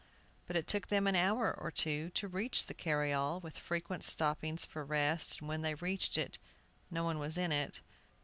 But it took them an hour or two to reach the carryall, with frequent stoppings for rest, and when they reached it, no one was in it.